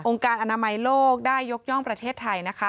องค์การอนามัยโลกได้ยกย่องประเทศไทย